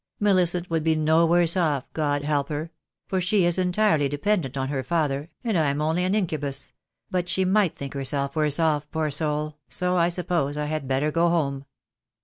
Millicent would be no worse off, God help her; for she is entirely 200 THE DAY WILL COME. dependent on her father, and I am only an incubus — but she might think herself worse off, poor soul, so I suppose I had better go home.